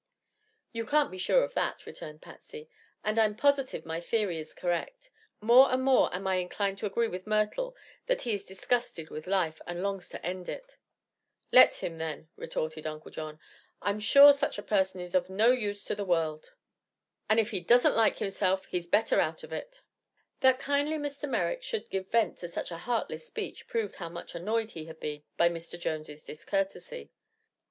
"You can't be sure of that," returned Patsy; "and I'm positive my theory is correct. More and more am I inclined to agree with Myrtle that he is disgusted with life, and longs to end it." "Let him, then," retorted Uncle John. "I'm sure such a person is of no use to the world, and if he doesn't like himself he's better out of it." That kindly Mr. Merrick should give vent to such a heartless speech proved how much annoyed he had been by Mr. Jones' discourtesy.